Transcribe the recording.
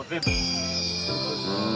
うん。